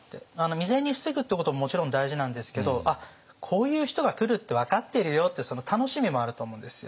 未然に防ぐってことももちろん大事なんですけど「あっこういう人が来るって分かってるよ」ってその楽しみもあると思うんですよ。